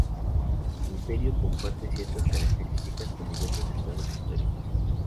El "Imperio" comparte ciertas características con diversos estados históricos.